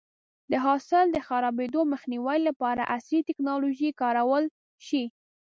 د حاصل د خرابېدو مخنیوی لپاره عصري ټکنالوژي کارول شي.